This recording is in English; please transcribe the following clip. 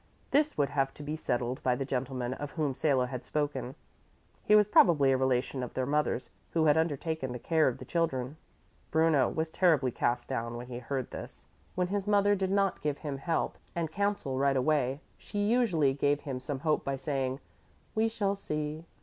This would have to be settled by the gentleman of whom Salo had spoken. He was probably a relation of their mother's who had undertaken the care of the children. Bruno was terribly cast down when he heard this. When his mother did not give him help and counsel right away, she usually gave him some hope by saying, "We shall see."